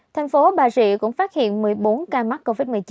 thành phố bà rịa cũng phát hiện một mươi bốn ca mắc covid một mươi chín